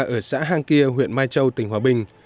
ở xã hang kia huyện mai châu tỉnh hòa bình